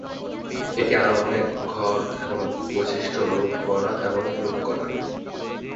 এটি আরও অনেক ঘর এবং বৈশিষ্ট্য লুট করা এবং লুট করা।